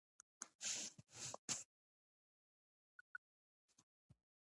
د کاندیدا لپاره د بورې پرهیز وکړئ